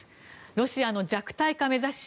ロシアの弱体化目指し